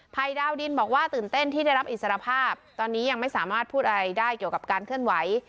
ดาวดินบอกว่าตื่นเต้นที่ได้รับอิสรภาพตอนนี้ยังไม่สามารถพูดอะไรได้เกี่ยวกับการเคลื่อนไหว